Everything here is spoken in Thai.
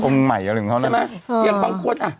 องค์ใหม่อะไรอย่างนั้น